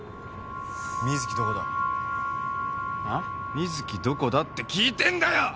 瑞稀どこだって聞いてんだよ！